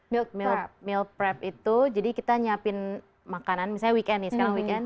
meal meal prep itu jadi kita nyiapin makanan misalnya weekend nih sekarang weekend